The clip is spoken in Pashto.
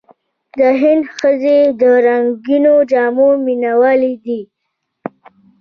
د هند ښځې د رنګینو جامو مینهوالې دي.